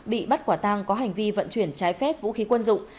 bị bắt quả tang có hành vi vận chuyển trái phép vũ khí quân dụng